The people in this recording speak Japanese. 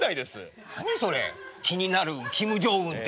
何それ気になるウンキム・ジョンウンって。